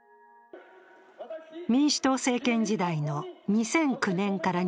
民主党政権時代の２００９年から２０１２年。